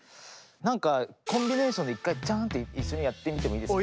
なんかコンビネーションで一回ジャンって一緒にやってみてもいいですか？